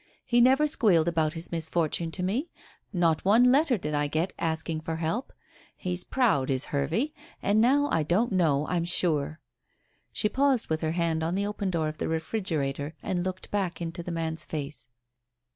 "He never squealed about his misfortune to me. Not one letter did I get asking for help. He's proud, is Hervey. And now I don't know, I'm sure." She paused with her hand on the open door of the refrigerator and looked back into the man's face.